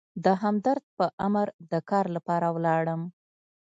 د همدرد په امر د کار لپاره ولاړم.